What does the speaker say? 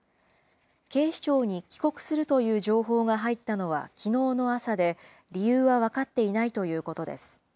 警視庁に帰国するという情報が入ったのはきのうの朝で、理由は分かっていないということです。